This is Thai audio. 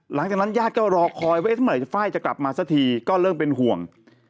หลังจากนั้นญาติก็รอคอยว่าเมื่อไหร่ไฟล์จะกลับมาสักทีก็เริ่มเป็นห่วง